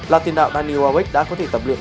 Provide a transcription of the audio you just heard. là tiền đạo danny warwick đã có thể tập luyện